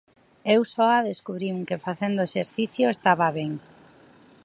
Eu soa descubrín que facendo exercicio estaba ben.